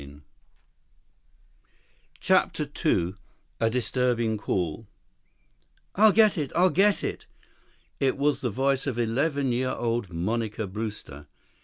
5 CHAPTER II A Disturbing Call "I'll get it! I'll get it!" It was the voice of eleven year old Monica Brewster.